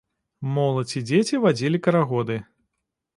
Моладзь і дзеці вадзілі карагоды.